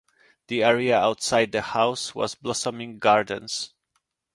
The area outside the house was blossoming gardens.